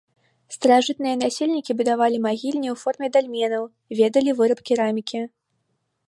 Старажытныя насельнікі будавалі магільні ў форме дальменаў, ведалі выраб керамікі.